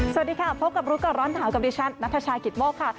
สวัสดีค่ะพบกับรู้ก่อนร้อนหนาวกับดิฉันนัทชายกิตโมกค่ะ